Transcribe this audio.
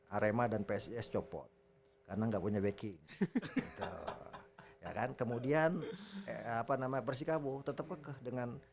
arema dan psis copot karena enggak punya beki ya kan kemudian apa nama persikabo tetap pekeh dengan